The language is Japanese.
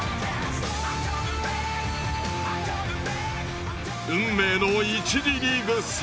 運命の１次リーグ最終戦。